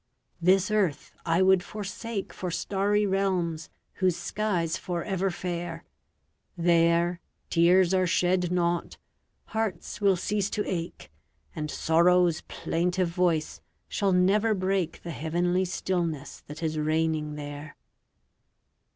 This earth I would forsake For starry realms whose sky's forever fair; There, tears are shed not, hearts will cease to ache, And sorrow's plaintive voice shall never break The heavenly stillness that is reigning there.